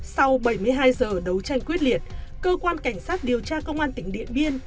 sau bảy mươi hai giờ đấu tranh quyết liệt cơ quan cảnh sát điều tra công an tỉnh điện biên